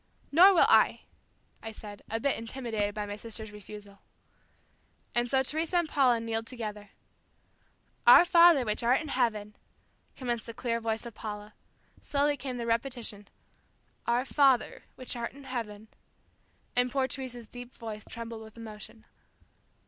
"Nor will I." I said, a bit intimidated by my sister's refusal. And so Teresa and Paula kneeled together, "'Our Father which art in Heaven,'" commenced the clear voice of Paula. Slowly came the repetition, 'Our Father which art in Heaven,' and poor Teresa's deep voice trembled with emotion.